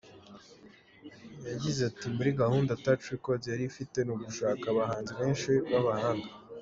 Yagize ati “Muri gahunda Touch Records yari ifite, ni ugushaka abahanzi benshi b’abahanga.